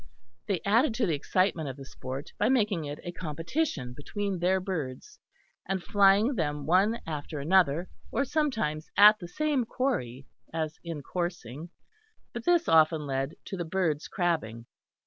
They added to the excitement of the sport by making it a competition between their birds; and flying them one after another, or sometimes at the same quarry, as in coursing; but this often led to the birds' crabbing.